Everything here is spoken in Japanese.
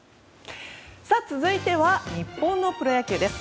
続いては日本のプロ野球です。